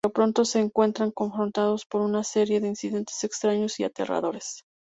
Pero pronto, se encuentran confrontados por una serie de incidentes extraños y aterradores.